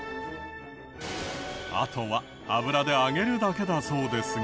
あとは油で揚げるだけだそうですが。